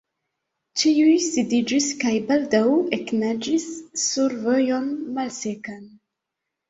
Ĉiuj sidiĝis kaj baldaŭ eknaĝis sur vojon malsekan.